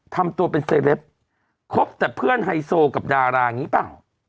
ทำตัวเป็นเซลปครบแต่เพื่อนไฮโซกับดารานี้ป่ะ